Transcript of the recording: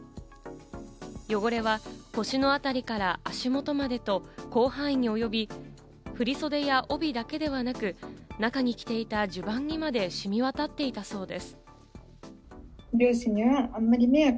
汚れは腰のあたりから足元までと広範囲におよび、振り袖や帯だけではなく、中に着ていた襦袢にまで染み渡っていたそうです。